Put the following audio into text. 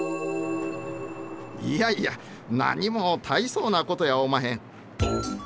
いやいや何も大層なことやおまへん。